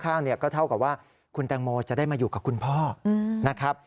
ข้างเนี่ยก็เท่ากับว่าคุณแตงโมจะได้มาอยู่กับคุณพ่อนะครับ